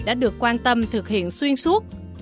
đã được quan tâm thực hiện xuyên suốt